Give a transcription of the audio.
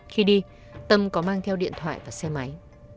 khi đi tâm có mang theo điện thoại và xe máy